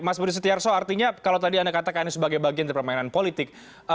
mas budi setiarso artinya kalau tadi anda katakan ini sebagai bagian dari permainan politik